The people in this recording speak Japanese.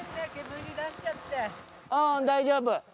ああ大丈夫。